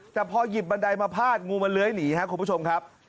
แต่พอหยิบบันไดมาพาดงูมันเลื้อยหนีครับคุณผู้ชมครับ